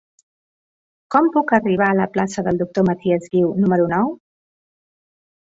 Com puc arribar a la plaça del Doctor Matias Guiu número nou?